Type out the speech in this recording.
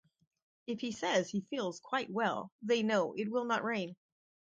If he says he feels quite well, they know it will not rain.